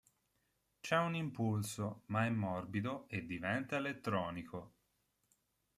C'è un impulso, ma è morbido e diventa elettronico.